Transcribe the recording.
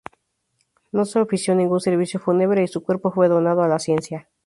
No se ofició ningún servicio fúnebre y su cuerpo fue donado a la Ciencia.